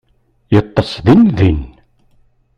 Yeṭṭes din din.